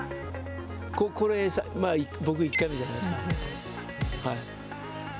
これ、僕１回目じゃないですか。